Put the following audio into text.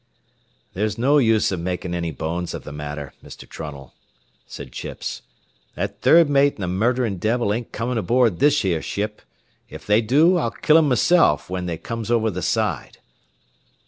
"There's no use av makin' any bones av the matther, Mr. Trunnell," said Chips. "That third mate an' the murderin' devil ain't comin' aboard this here ship. Ef they do, I'll kill them meself whin they comes over th' side."